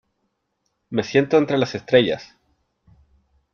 Me siento entre las estrellas